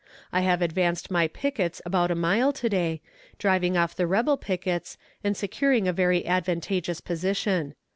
I have advanced my pickets about a mile to day, driving off the rebel pickets and securing a very advantageous position.